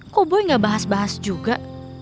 kok gue gak bahas bahas juga